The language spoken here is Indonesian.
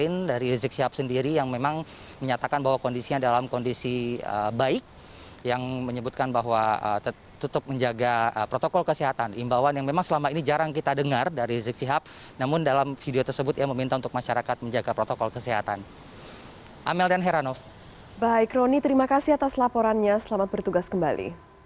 ini juga terkait dengan pspb transisi yang digelar